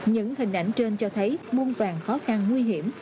những hình ảnh trên cho thấy muôn vàng khó khăn nguy hiểm